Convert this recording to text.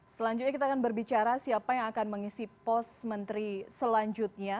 selanjutnya kita akan berbicara siapa yang akan mengisi pos menteri selanjutnya